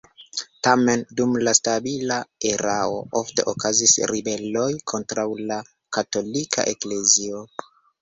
Tamen dum la stabila erao ofte okazis ribeloj kontraŭ la katolika eklezio.